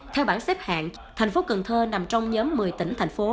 theo bảng xếp hạng thành phố cần thơ nằm trong nhóm một mươi tỉnh thành phố